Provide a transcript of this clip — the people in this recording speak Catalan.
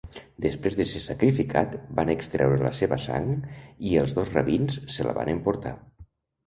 Després de ser sacrificat, van extreure la seva sang i els dos rabins se la van emportar.